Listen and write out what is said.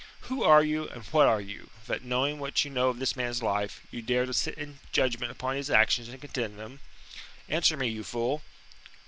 "Who are you, and what are you, that knowing what you know of this man's life, you dare to sit in judgment upon his actions and condemn them? Answer me, you fool!"